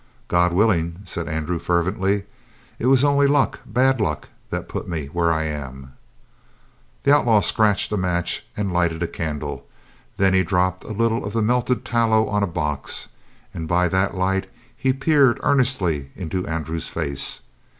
"God willing," said Andrew fervently. "It it was only luck, bad luck, that put me where I am." The outlaw scratched a match and lighted a candle; then he dropped a little of the melted tallow on a box, and by that light he peered earnestly into Andrew's face.